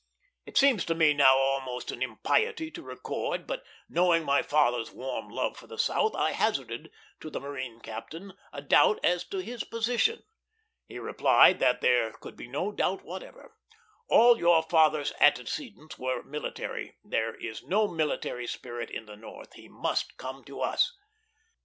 It seems to me now almost an impiety to record, but, knowing my father's warm love for the South, I hazarded to the marine captain a doubt as to his position. He replied that there could be no doubt whatever. "All your father's antecedents are military; there is no military spirit in the North; he must come to us."